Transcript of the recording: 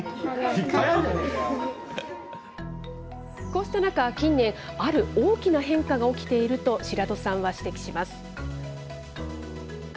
こうした中、近年、ある大きな変化が起きていると、白土さんは指摘します。